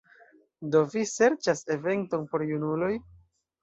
Do vi serĉas eventon por junuloj?